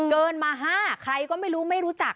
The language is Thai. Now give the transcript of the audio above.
เกินมา๕ใครก็ไม่รู้ไม่รู้จัก